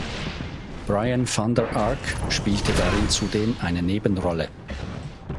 Brian Vander Ark spielte darin zudem eine Nebenrolle.